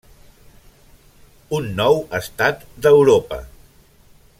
Un nou estat d'Europa!